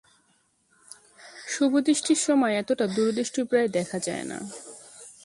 শুভদৃষ্টির সময় এতটা দূরদৃষ্টি প্রায় দেখা যায় না।